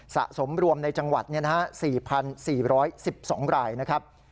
สะสมรวมในจังหวัด๔๔๑๒รายนะครับ